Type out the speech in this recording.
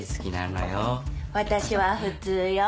私は普通よ。